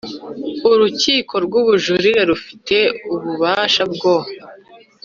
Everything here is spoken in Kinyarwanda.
Urukiko rw Ubujurire rufite ububasha bwo